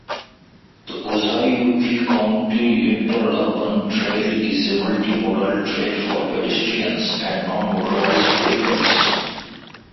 The Ozaukee County Interurban Trail is a multimodal trail for pedestrians and non-motorized vehicles.